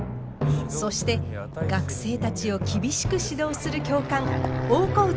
そして学生たちを厳しく指導する教官大河内